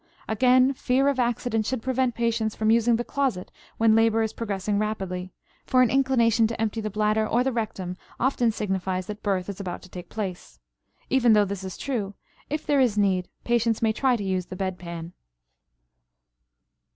Again, fear of accident should prevent patients from using the closet when labor is progressing rapidly, for an inclination to empty the bladder or the rectum often signifies that birth is about to take place. Even though this is true, if there is need, patients may try to use the bed pan.